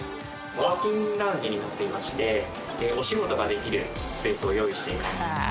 ワーキングラウンジになっていましてお仕事ができるスペースを用意しています。